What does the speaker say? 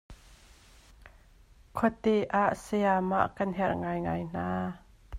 Khuate ahcun sayamah kan herh ngaingai hna.